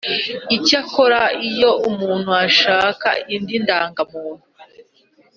Icyakora iyo umuntu ashaka indi ndangamuntu